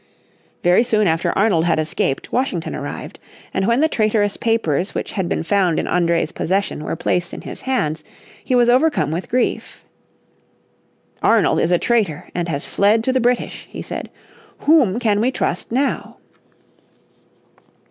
Very soon after Arnold had escaped Washington arrived. And when the traitorous papers which had been found in André's possession were placed in his hands he was overcome with grief. "Arnold is a traitor, and has fled to the British," he said. "Whom can we trust now?"